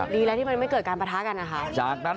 ดีแล้วที่มันไม่เกิดการปะท้ากันนะครับ